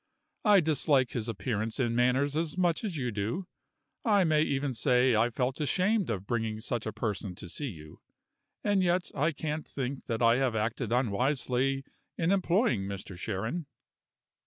I dislike his appearance and his manners as much as you do I may even say I felt ashamed of bringing such a person to see you. And yet I can't think that I have acted unwisely in employing Mr. Sharon."